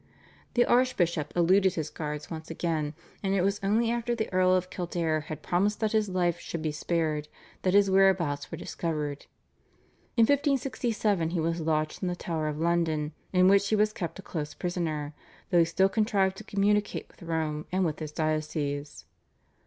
The archbishop eluded his guards once again, and it was only after the Earl of Kildare had promised that his life should be spared that his whereabouts were discovered. In December 1567 he was lodged in the Tower of London, in which he was kept a close prisoner, though he still contrived to communicate with Rome and with his diocese.